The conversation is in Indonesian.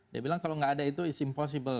dia bilang kalau nggak ada itu is impossible